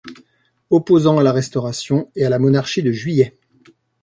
Opposant à la Restauration et à la Monarchie de Juillet.